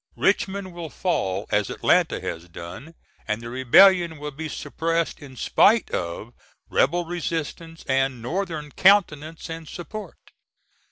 Richmond will fall as Atlanta has done and the rebellion will be suppressed in spite of rebel resistance and Northern countenance and support.